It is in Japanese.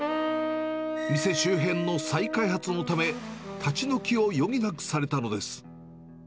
店周辺の再開発のため、立ち退きを余儀なくされたのです。